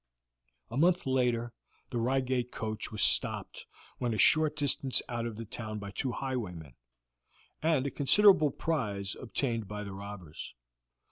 A month later the Reigate coach was stopped when a short distance out of the town by two highwaymen, and a considerable prize obtained by the robbers.